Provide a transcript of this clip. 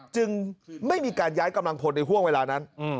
จึงไม่มีการย้ายกำลังพลในห่วงเวลานั้น